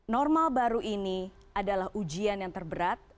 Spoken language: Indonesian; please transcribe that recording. normal baru ini adalah ujian yang terberat